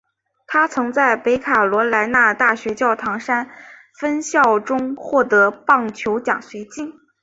他曾在北卡罗来纳大学教堂山分校中获得棒球奖学金。